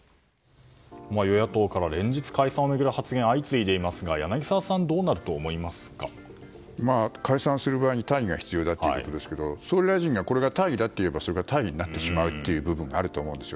与野党から連日解散の発言が相次いでいますが柳澤さん、どうなると思いますか。解散する場合に大義が必要だということですが総理大臣がこれが大義だといえばそれが大義になってしまうという部分があると思います。